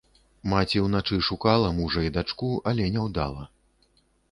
Маці ўначы шукала мужа і дачку, але няўдала.